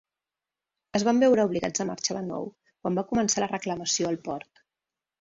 Es van veure obligats a marxar de nou quan va començar la reclamació al port.